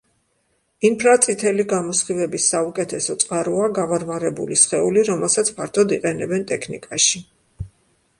ინფრაწითელი გამოსხივების საუკეთესო წყაროა გავარვარებული სხეული, რომელსაც ფართოდ იყენებენ ტექნიკაში.